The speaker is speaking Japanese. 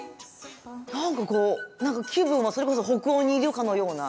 なんかこうなんか気分はそれこそ北欧にいるかのような。